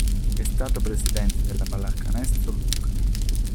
È stato presidente della Pallacanestro Lucca.